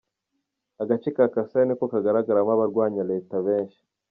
Agace ka Kasai ni ko kagaragaramo abarwanya leta benshi.